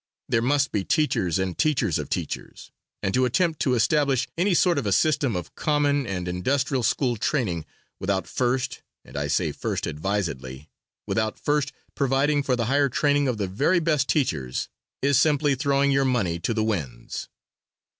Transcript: There must be teachers, and teachers of teachers, and to attempt to establish any sort of a system of common and industrial school training, without first (and I say first advisedly) without first providing for the higher training of the very best teachers, is simply throwing your money to the winds.